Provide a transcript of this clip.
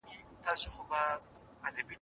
دوی وویل چي موږ باید نوي نښې جوړې کړو.